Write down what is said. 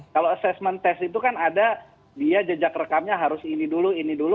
kalau assessment test itu kan ada dia jejak rekamnya harus ini dulu ini dulu